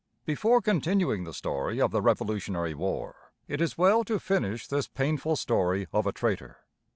Before continuing the story of the Revolutionary War, it is well to finish this painful story of a traitor.